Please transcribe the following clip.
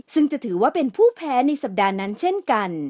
ซึ่งจะถือว่าเป็นผู้แพ้ในสัปดาห์นั้นเช่นกัน